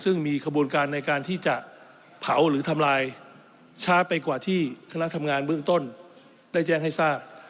ซึ่งมีขบวนการในการที่จะเผาหรือทำลายช้าไปกว่าที่คณะทำงานเบื้องต้นได้แจ้งให้ทราบ